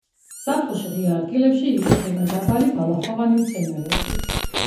ზაფხულში ღია ადგილებში იკვებება დაბალი ბალახოვანი მცენარეებით.